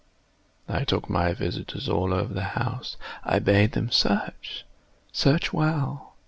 I took my visitors all over the house. I bade them search—search well.